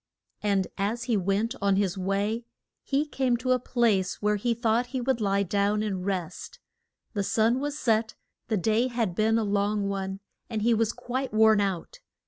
And as he went on his way he came to a place where he thought he would lie down and rest. The sun was set, the day had been a long one, and he was quite worn out.